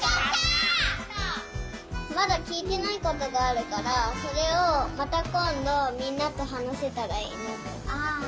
まだきいてないことがあるからそれをまたこんどみんなとはなせたらいいな。